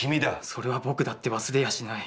「それは僕だって忘れやしない。